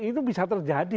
itu bisa terjadi